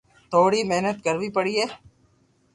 ٿوري مھنت ڪروي پڙئي